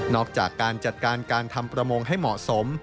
อกจากการจัดการการทำประมงให้เหมาะสม